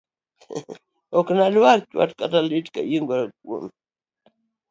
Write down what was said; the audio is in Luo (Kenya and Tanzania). Ok anadew chwat kata lit kayiengora kuomi.